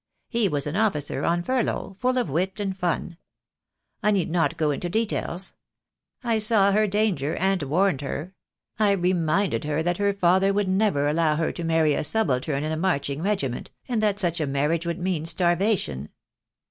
He was an officer, on furlough, full of wit and fun. I need not go into details. I saw her danger, and warned her; I reminded her that her father would never The Day will come, I, I "J 258 THE DAY WILL COME. allow her to marry a subaltern in a marching regiment, and that such a marriage would mean starvation.